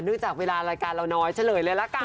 จากเวลารายการเราน้อยเฉลยเลยละกัน